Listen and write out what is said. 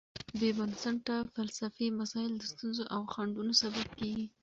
بېبنسټه فلسفي مسایل د ستونزو او خنډونو سبب کېږي.